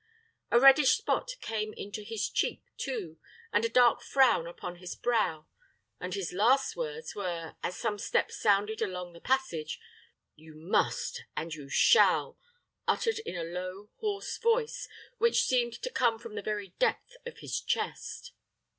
A reddish spot came into his cheek too, and a dark frown upon his brow; and his last words were, as some steps sounded along the passage, "You must, and you shall," uttered in a low, hoarse voice, which seemed to come from the very depth of his chest.